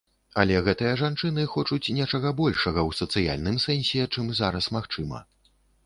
Але гэтыя жанчыны хочуць нечага большага ў сацыяльным сэнсе, чым зараз магчыма.